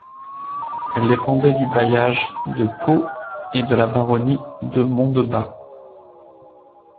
Elle dépendait du bailliage de Pau et de la baronnie de Mondebat.